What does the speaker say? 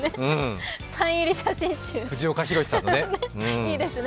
サイン入り写真集、いいですね。